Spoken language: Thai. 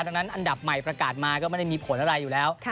ดังนั้นอันดับใหม่ประกาศมาก็ไม่ได้มีผลอะไรอยู่แล้ว